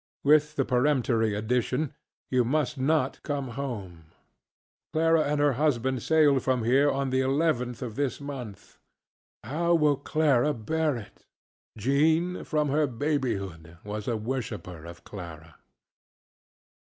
With the peremptory addition, ŌĆ£You must not come home. ŌĆØ Clara and her husband sailed from here on the 11th of this month. How will Clara bear it? Jean, from her babyhood, was a worshiper of Clara.